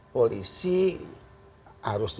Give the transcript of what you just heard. polisi harus dilantik